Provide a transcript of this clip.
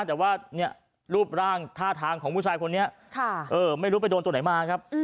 แต่ว่ารูปร่างท่าทางของผู้ชายคนนี้ไม่รู้ไปโดนตัวไหนมาครับ